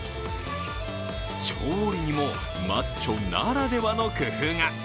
調理にもマッチョならではの工夫が。